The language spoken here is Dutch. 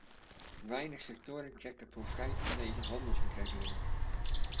Weinig sectoren trekken profijt van deze handelsbetrekkingen.